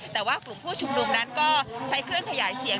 แต่ว่ากลุ่มผู้ชุมนุมนั้นก็ใช้เครื่องขยายเสียง